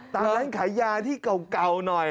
ตามร้านขายยาที่เก่าหน่อย